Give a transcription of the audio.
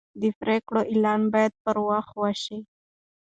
د پریکړې اعلان باید پر وخت وشي.